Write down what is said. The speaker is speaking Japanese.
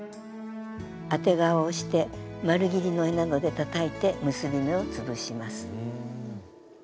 当て革をして丸ぎりの柄などでたたいて結び目をつぶします。